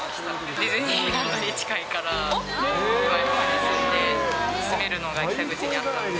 ディズニーランドに近いから、舞浜に住めるのが北口にあったので。